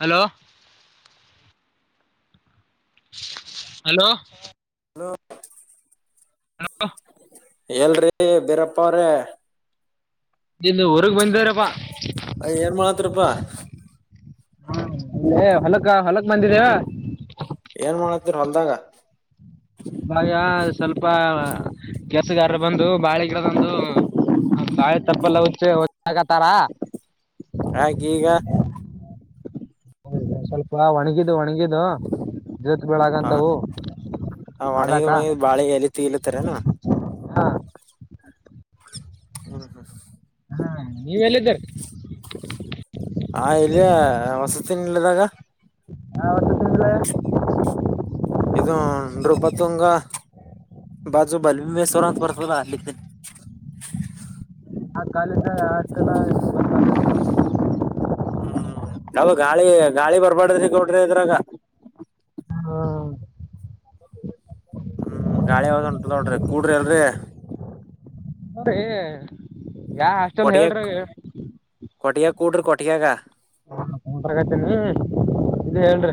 Hello hello hello hello ಎಲ್ರಿ ಬೇರಪ್ಪ್ರ ಇಂದ ಅಯ ಏನ್ ಮಾಡ ಹತ್ರಪ್ಪಾ. ಹ ಅ ಹೊಲಕ್ಕ ಹೊಲಕ್ ಬಂದಿದೆವಾ. ಏನ್ ಮಾಡತ್ತೀರ ಹೊಲದಾಗ. ಇವಾಗ ಸ್ವಲ್ಪ ಕೆಲಸಗಾರರು ಬಂದು ಬಾಳಗರ ಬಂದು. ಬಾಳೆ ತಪ್ಪಲ್ಲ ಹತ್ತೆಕತಾರ. ಯಾಕ ಈಗ ಹೌ ಸ್ವಲ್ಪ ಒಣಗಿದು ಒಣಗಿದು ಜವತ್ ಬೀಳಗಂತವು. ಹ ಒಣಗ ಒಣಗ ಬಾಳೆ ಎಲತಿ ಇಲತ್ತರನಾ. ಹಾ ಹ್ಮ್ ಹ್ಮ್ ಹಾ ನೀವ ಎಲ್ಲಿದ್ದರಿ. ಹ ಇಲ್ಲಿಯ ವಸತಿಿನಲ್ಲಿದಾಗ. ಹದು ತಿನ್ಲ್ಲ. ಇದು ನೃಪತ್ತುಂಗ. ಬಾಜು ಬಲ್ಮಮ ಸರಂತ ಬರ್ತ ಅಲಿ. ಆಾ ಕಾಲಿಂದಷ್ಟಲ್ಲಾಲ. [unintelligible] ಅ ಗಾಳಿ ಗಾಳಿ ಬರ್ಬಾರಡ್ರ ಗೌಡ್ರ ಇದ್ರಾಗ. ಹ್ಮ್ ಗಾಳಿ ಹದ ಉಂಟು ನೋಡ್ರಿ ಕೂಡ್ರಿ ಅಲ್ರಿ. ಅೀ ಯಾ ಹಾಸ್ಟೆಲ್ ಹೇಳ್ರಿ. ಕೊಟ್ಟಿಗೆಗ ಕೂಟರು ಕೊಟ್ಟಿಗೆಗ. ಹರಗತ ನೀ ಇ ಹೇಳ್ರಿ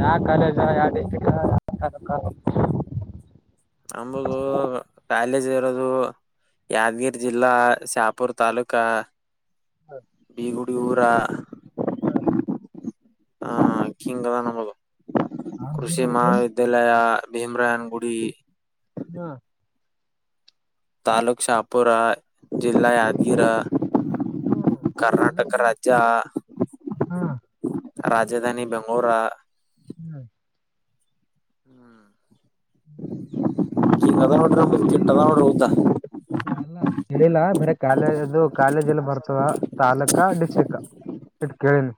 ಯಾವ ಕಾಲೇಜ ಯ ಡಿಸ್ಟ್ರಿಕ್. ಇಕಾರ. ನಗು ಕಾಲೇಜ್ ಇರೋದು. ಯಾದಗಿರಿ ಜಿಲ್ಲಾ ಶಾಪುರ್ ತಾಲೂಕ. ಹಾ ನಡಿ ಯರ ಹ್ಮ ಹ ಹಿಂಗದ ನಗದು ಆಡ್ಬುರ ಕೃಷಿ ಏನ್ ಮಹಾವಿದ್ಯಾಲಯ. ಭೀಮ್ರನ್ ಗುಡಿ. ಹಾ ತಾಲೂಕ್ ಶಾಪುರ ಜಿಲ್ಲಾ ಯಾದಗಿರ. ಇದು ಆ ಕರ್ನಾಟಕ ಕಾಲೇಜ ರಾಜ್ಯ ಹಾ. ರಾಜಧಾನಿ ಬೆಂಗಳೂರು. ಹ್ಮ್ ಹ್ಮ್ ಚಿನ್ನದ ಮಾಡಡ್ರದ ಮಾಡಡ್ರ ಹೌದಾ. ಹೇಳಿಲ್ಲ ಬರ ಕಾಲೇ ಅದು ಕಾಲೇಜ್ ಎಲ್ಲ ಬರ್ತವ ತಾಲೂಕ ಡಿಸ್ಟ್ರಿಕ್ ಇತ್ ಕೇಳಿನಿ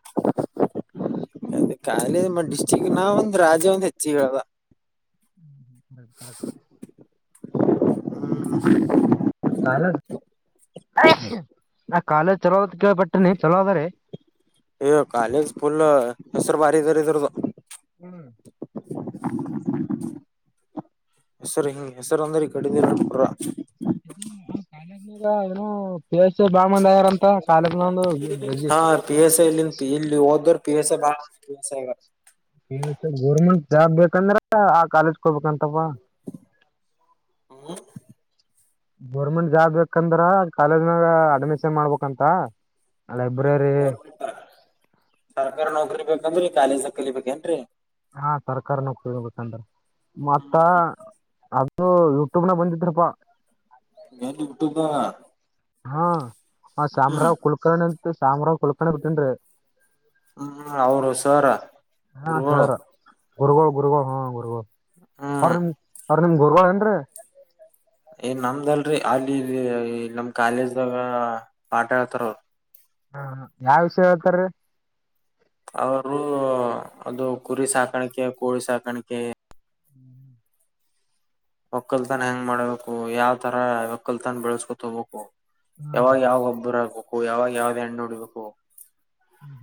ಅ ಕಖಿಲೆ ಡಿಸ್ಟ್ರಿಕ್ ನಾವ ಒಂದ ರಾಜ್ಯ ಒಂದು ಹೆಚ್ಚಿಗಳವ ಹ್ಮ ಹ್ಮ ರ್ ರಕ್ ಹ್ಮ ಹ ಕಾಲ ನಾ ಕಾಲೇಜ್ ಚಲೋದ ಕೇಳಬಟ್ಟನೆಿ ಚಲೋದ ರ ಯ ಕಾಲೇಜ್ ಫುಲ್ ಹೆಸರು ಬಾರಿ ಇದಾರ ಇದ್ರದದು ಹ್ಮ್ ಹೆಸರು ಹಿಂಗ ಹೆಸರು ಅಂದ್ರ ಕಡಿರ್ರಾ ಕಾಲ ವವಸ ಬಾಮಂದ ಯಾರಂತ ಕಾಲದನ ಒಂದು ಹೆಿ ಪಿವ ಬ ಗೋರ್ಮೆಂಟ್ ಜಾಬ್ ಬೇಕಂದ್ರ ಆ ಕಾಲೇಜ್ಗೆ ಹೋಗಬೇಕಂತಪ್ಪ ಹಾ ಗೋರ್ಮೆಂಟ್ ಜಾಬ್ ಬೇಕಂದ್ರ ಕಾಲೇಜನಾಗ ಅಡ್ಮಿಷನ್ ಮಾಡ್ಬೇಕಂತ ಹ್ಮ ಲೈಬ್ರರಿ ಗೋರ್ಮೆಂ ಸರ್ಕಾರಿ ನೌಕರಿ ಬೇಕಂದ್ರಿ ಕಖಾಲಿಜ ಸಕಲಿ ಬೇಕೇನ್ರರಿ ಹಾ ಸರ್ಕಾರಿ ನೌಕರೋಗ ಬೇಕಂದ್ರ ಮತ್ತ ಹ್ಮ್ ಹ್ಮ್ ಇ ಯೂಟ್ಯೂಬ್ನ ಬಂದಿದ್ರಪ್ಪಾ ಎಲ್ಲಿ ಯೂಟ್ಯೂಬ್ ಹಾ ಆ ಹ್ಮ್ ಶಾಮ್ರಾವ್ ಕುಳ್ಕರ್ಣ ಅಂತ ಶಾಮ್ರಾವ್ ಕುಳ್ಕಣ ಬಿಟ್ಟನ್ರಿ ಹ್ಮ್ ಅವರು ಹಸಾರ ಉರ್ ಗುರುಗ ಗುರುಗಳುಳ್ ಹಾ ಗುರ್ಗಳು ಅವ್ರ ಹ್ಮ್ ನಿಮ ಅವ್ರ ನಿಮ ಗುರ್ಗಳ ಏನ್ರೀ ಏನ್ ನಮ್ದಲ್ರರಿ ಅಲ್ಲಿ ನಮ್ ಕಾಲೇಜ್ದಾಗ ಪಾಠ ಹಳ್ತಾರ ಅವರು ಹಾ ಯಾವ್ ವಿಷಯ ಹೇಳ್ತಾರೀ ಅವರು ಅದು ಕುರಿ ಸಾಕಾಣಿಕೆ ಕೋಳಿ ಸಾಕಾಣಿಕೆ ಹ್ಮ್ ಒಕ್ಕಲ್ತಾನ ಹೆಂಗ್ ಮಾಡ್ಬೇಕು ಯಾವ್ ತರ ಒಕ್ಕಲ್ತಾನ ಬೆಳೆಸ್ಕೊತ ಹೋಗ್ಬೇಕು ಹಾ ಯಾವಾಗ ಯಾವ ಒಬ್ಬರ ಆಗ್ಬೇಕು ಯಾವಾಗ ಯಾವ್ದ ಹೆಣ್ಣು ನೋಡಿಬೇಕು ಹ್ಮ್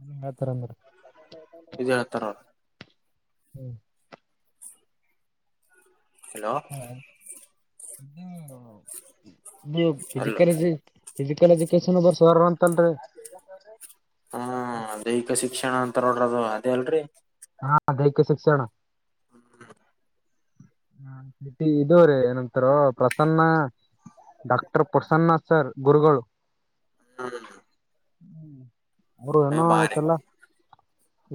ಹ್ಮ್ ಹ ಹ ತರಂತರ ವಿಜಯತ್ತರ ಹ್ಮ್ ಹಲೋ ಹ ಅಲೋ ಬಜಿಕರೆಜ ಫಿಸಿಕಲ್ ಎಜುಕೇಶನ್ ಬರ್ಸರ್ ಅಂತಲ್ರಿ ಹ್ಮ ದೈಹಿಕ ಶಿಕ್ಷಣ ಅಂತ ನೋಡ್ರದು ಅದೇ ಅಲ್ರಿ ಹಾ ದಧೈಿಕ್ಯ ಶಿಕ್ಷಣ ಹಾ ಸಿಟಿ ಇದದು ರೀ ಏನಂತಾರ ಪ್ರಸನ್ನ ಡಾಕ್ಟರ್ ಪ್ರಸನ್ನ ಸರ್ ಗುರುಗಳುಗಳು ಹಟ ಹ ಅವರು ಏನೋಸಲ್ಲ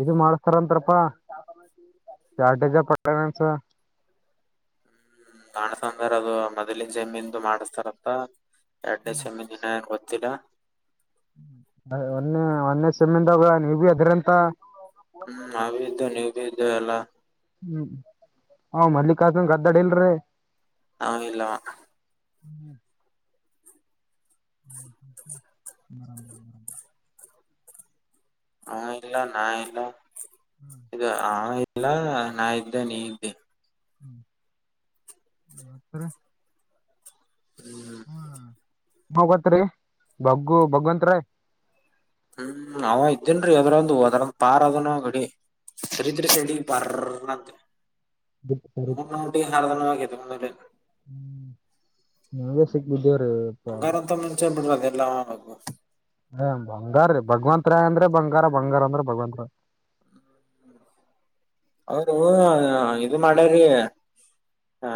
ಇದು ಮಾಡಸ್ತಾರಂತಾರಪಾ ಜಾಡೇಜ ಪಟ್ಟನ್ಸ ಕಾಣಸಂದ್ರ ಅದು ಮೊದಲಿನ ಜಮೀಂದು ಮಾಡಿಸಸ್ತಾರತ್ತ ಎರಡನೇ ಸೆಮಿ ದು ಇನ್ನೂ ಏನೂ ಗೊತ್ತಿಲ್ಲ ಒನ್ನೆ ಒನ್ನೆ ಸಮ್ಮಿಂದಾಗ ನೀವು ಇಬ್ಬರೂ ಇದ್ದರಿ ಅಂತ ಹೂ ನಾವಿದ್ವಿ ನೀವು ಇದ್ದರೆ ಎಲ್ಲಾ ಹ್ಮ್ ಹ್ ಮಲ್ಲಿಕಾರ್ಜುನ್ ಗದ್ದಾಡಿ ಇಲ್ರಿ ಹ ಇಲ್ಲವಾ ಹ್ಮ್ ಹ ಹ ಇಲ್ಲ ನ ಇಲ್ಲ ಇದು ಆ ಇಲ್ಲ ನಾ ಇದ್ದೆ ನೀ ಇದ್ದೆ ಹ್ಮ್ ಮತ್ತೇ ರಿ ಹ್ಮ್ ಹ್ಮ ಹೋಗತ್ರಿ ಬಗ್ಗು ಭಗವತ್ ರೈ ಹ್ಮ್ ಅವ ಇದ್ದೇನ್ ಅದ್ರಂದು ಹೋದ್ರಂದ ಪಾರ್ ಅದನ ಗಡಿ ಸರಿದ್ರೆ ಸಡಿ ಬರ್ ನ ನವುಟ ಹಾರಧಾನವ ಕೆತ ಮ [unintelligible] ಹ್ಮ್ ನಾವೇ ಸಿಗ್ಬ ಬಂಗಾರದ ಮನುಷ್ಯ ಬಿಡ್ರಿ ಹ ಬಂಗಾರ ರೀ ಭಗವಂತತ್ ರಾಯ್ ಅಂದ್ರೆ ಬಂಗಾರ ಬಂಗಾರ ಅಂದ್ರೆ ಭಗವಂತ ರಾಯ್ ಅವರು ಇದು ಮಾಡ್ಯ್ರೀ ಆ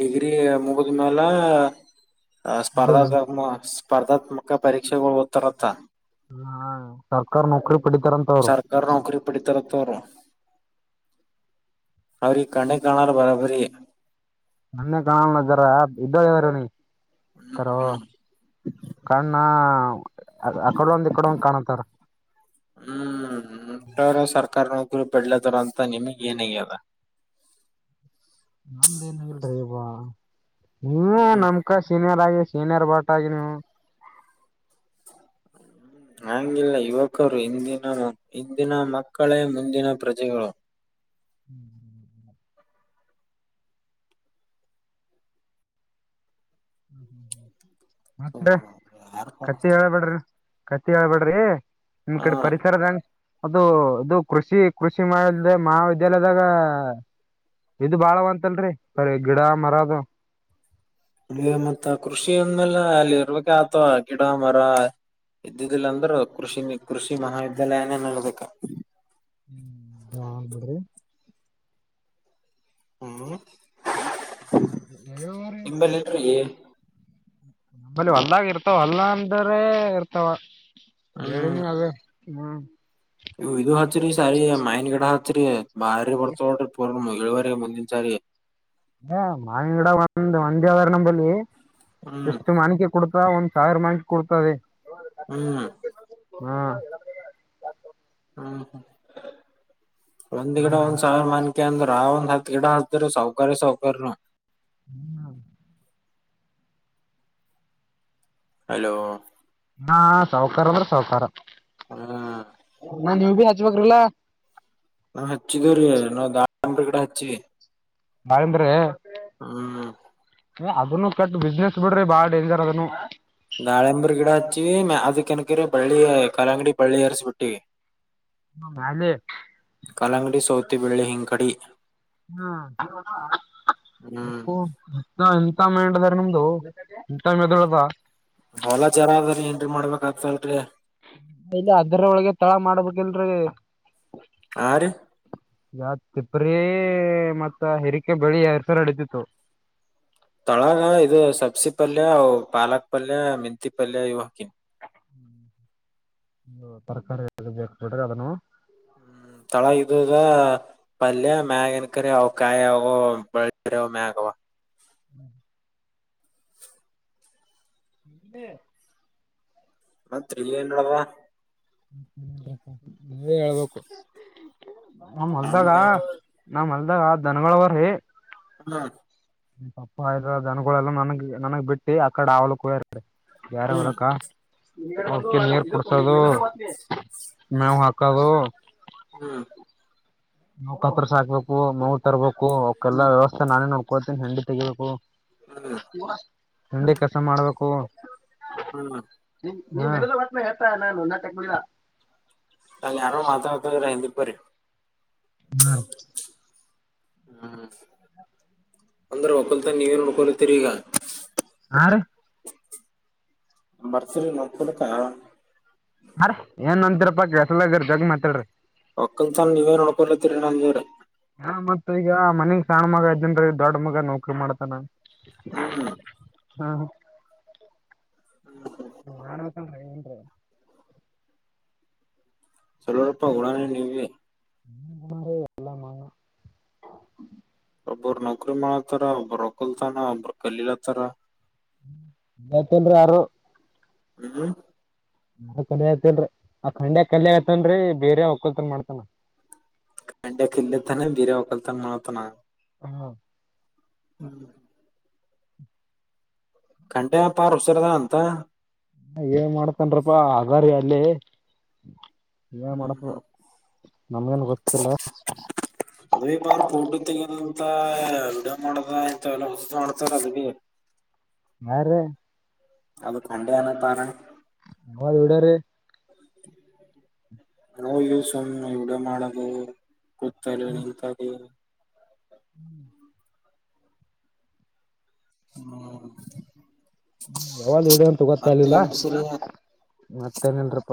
ಡಿಗ್ರಿ ಮುಗಿದ್ ಮೇಾಲ ಇದು ಸ್ಪರ್ಧಾತ್ಮಮ ಸ್ಪರ್ಧಾತ್ಮಕ ಪರೀಕ್ಷೆಗಳು ಓದ್ತಾರತ್ತ ಹ ಸರ್ಕಾರ ನೌಕರಿ ಪಡಿತಾರಂತ ಅವ್ರು ಹೂ ಅಣ್ಣ ಅವರಿಗೆ ಕಣ್ಣಿಗೆ ಕಾಣಲ್ಲ ಬರಬ್ಬರಿ ನನ್ನೇ ಬಾ ಅಂತ ಹೇಳುತ ಇದಾರೆ ಅಕ್ಕರ ಹ್ಮ್ ಕಣ್ಣ ಅಕಡ ಒಂದ್ ಇಕಡ ಒಂದ್ ಕಾಣತಾರ ಹ್ಮ್ ಸರ್ಕಾರಿ ನೌಕರ ಪಡ್ಲ ತರ ಅಂತ ನಿಮಗ ಏನು ಈಗ ನಮ್ಮದು ಎನ್ನಿಲ ಸಾಹೇಬ ನೀವು ಹ್ಮ್ ನಮಗಿಂತ ಸಿನಿರಾಗಿರಿ ಸೀನಿಯರ್ ಬಾಟ ಆಗಿ ನೀವು ನಂಗಿಲ್ಲ ಯುವಕರು ಹಿಂದಿನ ಹಿಂದಿನ ಮಕ್ಕಳೇ ಮುಂದಿನ ಪ್ರಜೆಗಳು ಹ್ಮ್ ಹ್ಮ ಹ್ಮ ಹ್ಮ್ ಹ್ಮ್ ಮತ್ತೆ ಯಾರ್ ಕತ್ತಿ ಕಾಣಿಸ್ತಾರೆ? ಹೇಳಬೇಡ್ರಿ ಕತ್ತಿ ಹೇಳ್ಬೇಡ್ರಿ ನಿಮ್ ಕಡೆ ಹ ಪರಿಸರದಂಗ ಅದು ಇದು ಕೃಷಿ ಕೃಷಿ ಮಾಡ ಮಹಾವಿದ್ಯಾಲಯದಾಗ ಇದು ಬಾಳವಂತಲ್ರಿ ಬರಿ ಗಿಡ ಮರದು ಅ ಮತ್ತ ಕೃಷಿ ಅಂದ್ಮೇಲೆ ಅಲ್ಲಿ ಇರ್ಬೇಕ ಆತವ ಗಿಡ ಮರ ಇದ್ದುದಿಲ್ಲಾಂದ್ರರು ಕೃಷ ಕೃಷಿ ಮಹಾವಿದ್ಯಾಲಯನೇ ನೋಲ್ಬೇಕ ಹ್ಮ್ ಬಾ ಆಗ್ಬಿಡ್ರಿ ಹ್ಮ್ ಹ್ಮ ಅವರ ನಿಂಬಲ್ಲಿ ಇಲ್ರಿ ನಮ್ಮಲ್ಲಿ ಹೊಲ್ಲದಾಗ ಇರ್ತವ ಹೊಲ್ಲ ಅಂದ್ರೆ ಇರ್ತವ ಹೇಳಿ ನೀವ ಆದ ಹ್ಮ್ ನೀ ಇದು ಹಚ್ಚರಿ ಸರಿ ಮೈನ್ ಗಿಡ ಹಚ್ಚರಿ ಬಾರಿ ಬರ್ತವ ಇಳುವರಿ ಮುಂದಿನ ಸಾರಿ ಮಾವನ್ ಗಿಡ ಒಂದ್ ಒಂದರ ನಂಬಲ್ಲಿ ಹ್ಮ್ ಎಷ್ಟು ಮಾವಿನಕಾಯಿ ಕೊಡ್ತ ಒಂದ್ ಸಾವಿರ ಮಾವಿನಕಾಯಿ ಕೊಡುತ್ತವೆ ಹ್ಮ ಹ್ಮ್ ಹ್ಮ್ ಹ ಒಂದ್ ಗಿಡ ಒಂದ್ ಸಾವಿರ ಮಾದೇವ ಕೊಡ್ತಾವೆ ಅಕಂದ್ರ ಆ ಒಂದ ಹತ್ ಗಿಡ ಹತ್ತತಾರ ಸೌಕ್ಯ ಸೌಕಕಾರನು ಹ್ಮ್ ಹಲೋ ಹಾ ಸಾಹಕಾರ ಅಂದ್ರೆ ಸಾಹಕಾರ ಹಾ ನಾ ನೀವ ಭೀ ಹಚ್ಬ್ರಲ್ಲ ನಾವ್ ಹಚ್ಚಿದವ್ರೀ ನಾವವು ದಾಡಂಬ್ರ ಕಡ ಹಚ್ಚಿ ನಂದ್ರೆ ಹ್ಮ್ ಅದನ್ನು ಕಟ್ ಬಿಸ್ನೆಸ್ ಬಿಡ್ರಿ ಬಾಳ ಡೇಂಜರ್ ಅದನ್ನು ದಾಳೆಂಬರಿ ಗಿಡಾಚ್ಚಿ ಅದಕ್ಕೆನಕರ ಬಳ್ಳಿ ಕಲಾಂಗಡಿ ಬಳ್ಳಿ ಎರಿಸಸಿ ಬಿಟ್ಟಿ. ಹಾಲಿ. ಅಲಂಗಡಿ ಸೌತಿ ಬೆಳ್ಳಿ ಹಿಂಕಡಿ. ಹ ಹ್ಮ್ ಅಪ್ಪ ಎಂತ ಮೇ. ನಿಮ್ದುಟೈಮ್ದೊಳದ [inaudible] ಹಲಾ ಜರ ಅದ್ರೀ ಎಂಟ್ರಿ ಮಾಡ್ಬೇಕ ಆಗ್ತರಿ. ಇಲ್ಲ ಅದರ ಒಳಗೆ ತಳ ಮಾಡ್ಬೇಕಲ್ರರಿ. ಹಾ ರೀ ಯ [unintelligible] ತಿಪ್ರೀ ಮತ್ತ ಹಿರಿಕೆ ಬೆಳಿ ಎರ್ಸರ ಅಡತಿತ್ತು. ತೊಳಗ ಇದು ಸಬ್ಸಿ ಪಲ್ಯ ಅವು ಪಾಲಕ್ ಪಲ್ಯ ಮೆಂತಿ ಪಲ್ಯ ಇವು ಹಾಕಿನಿ. ತರಕಾರಿ ಬೇಕೊಟಗ ಅದನು. ಹ್ಮ್ ತಳಗದ ಪಲ್ಯ ಮ್ಯಾಗನ್ ಕರಿ ಅವಕಾಯಿ ಅವ. ಮ್ಯಗವಾ. ಹ್ಮ್ ಹ [inaudible] ಮತ್ರಿಲ್ಲಿ ಏನ್ವಾ. ನೀನೇ ಹೇಳ್ಬೇಕು. ನಮ್ಮ್ ಅಲ್ದಾಗ ನಮ್ದೇನ್ ನಮ್ಮ್ ಅಲ್ದಾಗ ದನಗಳು ಆದರಿ. ಹ್ಮ್ ತಪ್ಪ ಇದ್ರ ಜನಗಳೆಲ್ಲಾ ನನಗ್ ನನಗ್ ಬಿಟ್ಟಿ ಆಕಡೆ ಅವರು ಗೇ.. ಹ್ಮ್ ಯಾರವ್ರಕ್ಕ ಯಾವಾಗ ಕೊಡಿಸುವುದು. ಮವು ಹಾಕಾಗ. ಹ್ಮ್. ನ ಪತ್ರ ಸಾಕ್ಬೇಕು ನೋವು ತರ್ಬೇಕು ಅವಕಲ್ಲಾ ವ್ಯವಸ್ಥೆ ನಾನೇ ನೋಡ್ಕೊಳ್ತೀನಿ ಹೆಂಡಿ ತೆಿಬೇಕು. ಹ್ಮ್ ಮಂಡಿ ಕೆಲಸ ಮಾಡಬೇಕು. ಹ್ಮ. [unintelligible] ಹೇಳ್ತ ನಾನು ನಟಕ್ ಅ ಯಾರೋ ಮಾತಾಡ್ತದರ ಹಿಂದುಕ್ ಬರ್ರಿ. ಹ್ಮ. ಹು ಅಂದರು ಒಳ ತ ನೀವನು ನಡ್ಕೋಲಿ ತಿರಿಗ. ಹಾರಿ. ಬರ್ಸಿಲ್ ಮಕಡಕ್ಕ. ಅರ ಏನ್ ಅಂತರ ಪಾಕ್ ಎಸಲಗರ್ ಜಗ ಮಾತಾಡ್ರಿ. ಒಕ್ಕನ್ಸನ ನೀವೇನ್ ನೋಡ್ಕೊಲತ್ತರಿ ನಂದೂ ಹಾ ಮತ್ತ ಈಗ ಮನಗ್ ಸಣ್ಣ ಮಗ ಅದ್ದನ್ರ ದೊಡ್ಡ ಮಗ ನೌಕ್ರಿ ಮಾಡ್ತಾನ. ಹ್ಮ್ ಹ್ಮ. ಹ ಮಾಡಬೇಕತನ್ ಏನ್ರೀ. [inaudible] ಸ್ವಲ್ಪ ಓಡಾಡ್ದಂಗೆ. [unintelligible] [inaudible] ಎಲ್ಲ ಮಾ ಒಬ್ಬರು ನೌಕರಿ ಮಾಡತಾರ ಒಬ್ಬರು ಹೊಕ್ಕಲ್ತಾನ ಒಬ್ಬ್ರ ಕಲೀಲತ್ತಾರ. ಎತ್ತನ್ ಯಾರು. ಹ್ಮ್. ನಾ ಕಲ್ಯ ಆತಲ್ರರಿ ಆ ಖಂಡ್ಯ ಕಲ್ಯ ಆತನ್ರರಿ ಬೇರೆ ಹೊಕ್ಕಲ್ತನ್ ಮಾಡ್ತಾನ. ಗಂಡ ಕತಾನೆ ಬೀರೆ ಹೊಕಲ್ತಾನೆ ಮಾಡತಾನ. ಹಾ. ಹ್ಮ್. ಕಂಟೆ ಪಾರ ಉಷರದ ಅಂತ. ಏನ್ ಮಾಡತನಪ್ಪಾ ಅಗಾರಿ ಅಲ್ಲಿ ಏನ ಹ್ಮ್ ಮಾಡತ್. ಹ್ಮ್ ನಮ್ಗೇನ್ ಗೊತ್ತಿಲ್ಲ. ಅಡ ಮಾಡದ ಎಲ್ಲ ಮಾಡ್ತಾರ ಅದ್ ಬಿ [unintelligible] ಯಾರ್ರೀ ಅದು ಕಂಡ ನ ತರ ನ ಎವಡಾರೆ [unintelligible] ನೋ ಯೂಸ ಒಣ ಇವಡ ಮಾಡದು [unintelligible] ಕೂತಲ್ಲ ನಿಂತಾರೆ [unintelligible] ಹ್ಮ್ ಹ್ಮ್ ಹ್ಮ ಯಾವಾಗ ಇಡಂತ ಗೊತ್ತಾ ಇಲಿಲ್ಲ ಮತ್ತೇನ್ ಸರಿ ಮತ್ತೇನನ್ರಪ್ಪ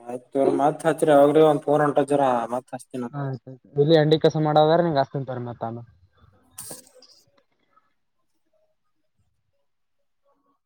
ಮಯ್ತ್ [unintelligible] ಅವ್ರ ಮತ್ ಹತ್ರಿ ಅವಗ ಒ ಫೋನ್ ಹೊಂಟದರ ಮತ್ ಹಚ್ತೀನ. ಆಯ್ತ ಆಯ್ತು ಇಲ್ಲಿ ಹಂಡಿ ಕಸ ಮಾಡದ್ರೆ ನಿಂಗ್ ಅಸ್ತಂತರ್ ಮತ್ತ ಅಲ್ಲ [unintelligible]